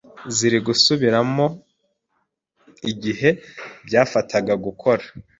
ziri gusubiramo igihe byafataga gukora,